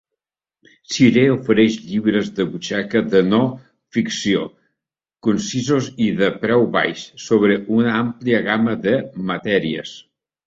Shire ofereix llibres de butxaca de no ficció, concisos i de preu baix, sobre una àmplia gama de matèries.